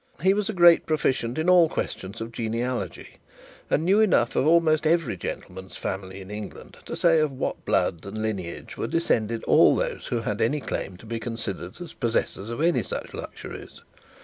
He was a great proficient in all questions of genealogy, and knew enough of almost every gentleman's family in England to say of what blood and lineage were descended all those who had any claim to be considered as possessors of any such luxuries.